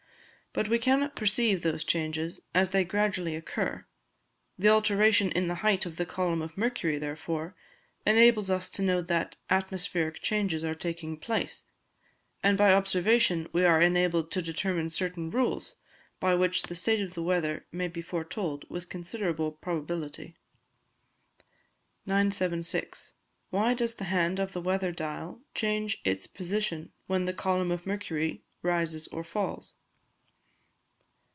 But we cannot perceive those changes as they gradually occur; the alteration in the height of the column of mercury, therefore, enables us to know that atmospheric changes are taking place, and by observation we are enabled to determine certain rules by which the state of the weather may be foretold with considerable probability. 976. _Why docs the Hand of the Weather Dial change its Position when the Column of Mercury rises or falls?